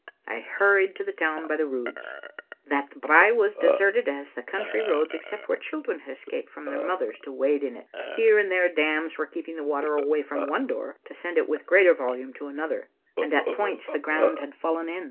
I hurried to the town by the Roods. That brae was as deserted as the country roads, except where children had escaped from their mothers to wade in it. Here and there dams were keeping the water away from one door to send it with greater volume to another, and at points the ground had fallen in.